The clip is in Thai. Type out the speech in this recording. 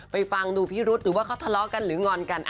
ฟังดูพิรุษหรือว่าเขาทะเลาะกันหรืองอนกัน